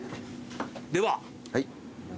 では。